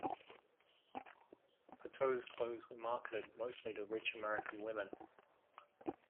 Patou's clothes were marketed mostly to rich American women.